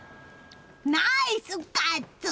ナイスガッツ！